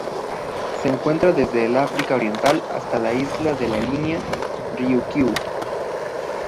Se encuentra desde el África Oriental hasta las Islas de la Línea y Ryukyu.